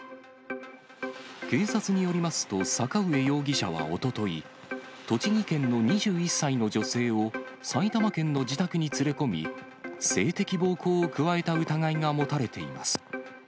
警察によりますと、阪上容疑者はおととい、栃木県の２１歳の女性を埼玉県の自宅に連れ込み、性的暴行を加えた疑いが持たれています。